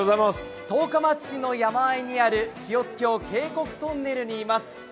十日町市の山あいにある清津峡渓谷トンネルにいます。